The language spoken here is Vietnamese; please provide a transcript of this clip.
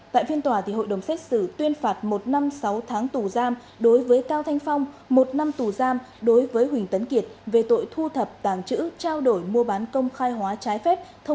tại phiên tòa hội đồng xét xử tuyên phạt một năm sáu tháng tù giam đối với cao thanh phong một năm tù giam đối với huỳnh tấn kiệt về tội thu thập tàng chữ trao đổi mua bán công khai hóa trái phép